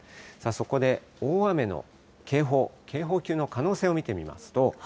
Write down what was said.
そこで大雨の警報、警報級の可能性を見てみますと。